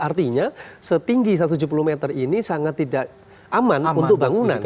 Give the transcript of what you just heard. artinya setinggi satu ratus tujuh puluh meter ini sangat tidak aman untuk bangunan